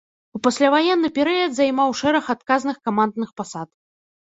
У пасляваенны перыяд займаў шэраг адказных камандных пасад.